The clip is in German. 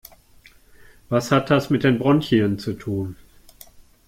Was hat das mit den Bronchien zu tun?